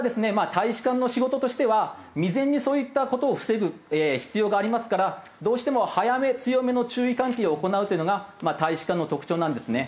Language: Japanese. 大使館の仕事としては未然にそういった事を防ぐ必要がありますからどうしても早め強めの注意喚起を行うというのが大使館の特徴なんですね。